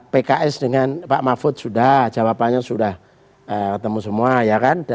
pks dengan pak mahfud sudah jawabannya sudah ketemu semua ya kan